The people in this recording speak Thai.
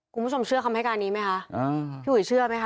คุณผู้ชมเชื่อคำให้การนี้ไหมคะพี่อุ๋ยเชื่อไหมคะ